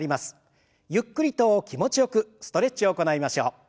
ゆっくりと気持ちよくストレッチを行いましょう。